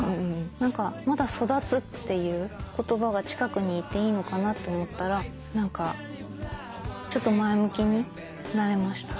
何かまだ「育つ」という言葉が近くにいていいのかなと思ったら何かちょっと前向きになれました。